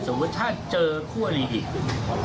สมมุติถ้าเจอคู่อลีอีก